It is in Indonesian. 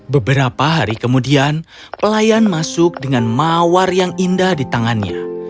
beberapa hari kemudian pelayan masuk dengan mawar yang indah di tangannya